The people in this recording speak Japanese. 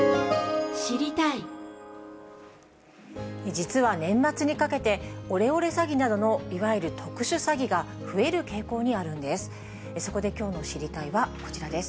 実は年末にかけて、オレオレ詐欺などのいわゆる特殊詐欺が増える傾向にあるんです。